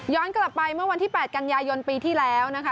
กลับไปเมื่อวันที่๘กันยายนปีที่แล้วนะคะ